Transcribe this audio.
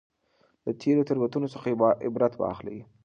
د تېرو تېروتنو څخه عبرت واخلئ.